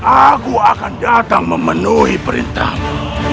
aku akan datang memenuhi perintahmu